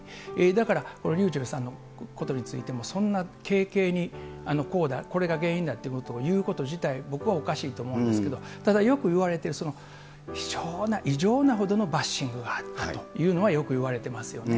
だからこのｒｙｕｃｈｅｌｌさんのことについても、そんな軽々にこうだ、これが原因だということを言うこと自体、僕はおかしいと思いますけど、ただ、よく言われている、異常なほどのバッシングがあったというのはよく言われてますよね。